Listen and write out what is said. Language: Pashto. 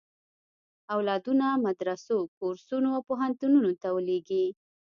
اولادونه مدرسو، کورسونو او پوهنتونونو ته ولېږي.